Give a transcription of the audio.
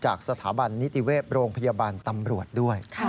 จากสถาบันนิติเวศโรงพยาบาลตำรวจด้วย